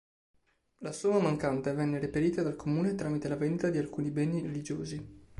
La somma mancante venne reperita dal Comune tramite la vendita di alcuni beni religiosi.